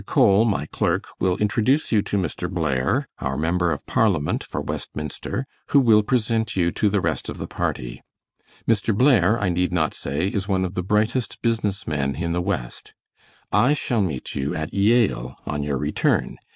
Cole, my clerk, will introduce you to Mr. Blair, our member of Parliament for Westminster, who will present you to the rest of the party. Mr. Blair, I need not say, is one of the brightest business men in the West. I shall meet you at Yale on your return.